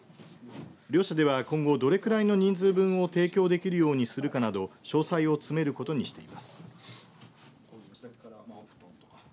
両者では今後どれくらいの人数分を提供できるようにするかなど詳細を詰めることにしています。